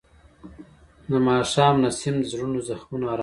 د ماښام نسیم د زړونو زخمونه آراموي.